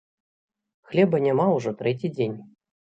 Хлеба няма ўжо трэці дзень.